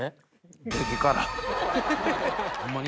ホンマに？